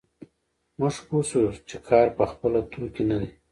موږ پوه شوو چې کار په خپله توکی نه دی